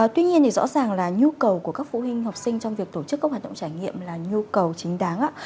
tuy nhiên thì rõ ràng là nhu cầu của các phụ huynh học sinh trong việc tổ chức các hoạt động trải nghiệm là nhu cầu chính đáng